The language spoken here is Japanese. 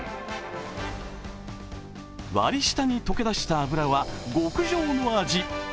割り下に溶け出した脂は極上の味。